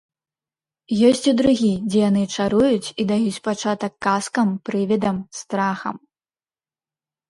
Ёсць і другі, дзе яны чаруюць і даюць пачатак казкам, прывідам, страхам.